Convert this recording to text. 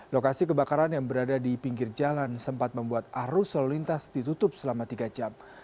lokasi kebakaran yang berada di pinggir jalan sempat membuat arus lalu lintas ditutup selama tiga jam